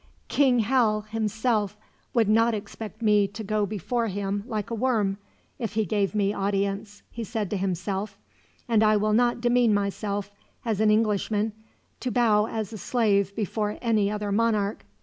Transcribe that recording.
"King Hal, himself, would not expect me to go before him like a worm, if he gave me audience," he said to himself; "and I will not demean myself, as an Englishman, to bow as a slave before any other monarch.